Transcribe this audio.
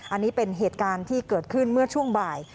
อันนี้เป็นเหตุการณ์ที่เกิดขึ้นเมื่อช่วงบ่าย